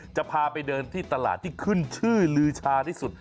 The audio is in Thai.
จะพาไปเดินที่ตลาดที่ขึ้นชื่อลือชาที่สุด